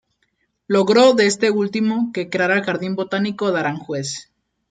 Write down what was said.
Logró de este último que creara el Jardín botánico de Aranjuez.